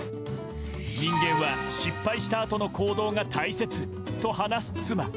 人間は失敗したあとの行動が大切と話す妻。